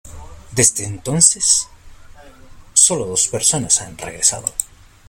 Desde entonces sólo dos personas han regresado.